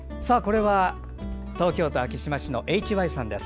東京都昭島市のＨＹさんです。